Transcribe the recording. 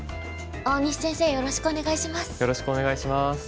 大西先生よろしくお願いします。